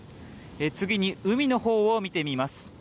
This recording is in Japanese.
次に海のほうを見てみます。